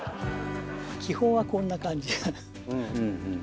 基本はこんな感じ。